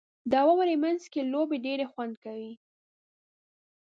• د واورې مینځ کې لوبې ډېرې خوند کوي.